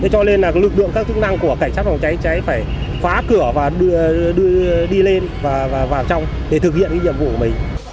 cho nên là lực lượng các chức năng của cảnh sát phòng cháy cháy phải phá cửa và đưa đi lên và vào trong để thực hiện nhiệm vụ của mình